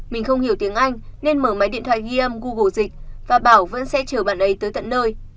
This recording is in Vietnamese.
mình không hiểu tiếng anh nên mở máy điện thoại ghi âm google dịch và bảo vẫn sẽ chờ bạn ấy tới tận nơi